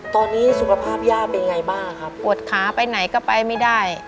ตอนนี้สุขภาพย่าเป็นอย่างไรบ้างนะคะปุดขาไปไหนก็ไปไม่ได้